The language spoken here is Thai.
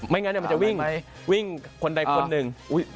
ไม่งั้นจะวิ่งคนใดคนหนึ่ง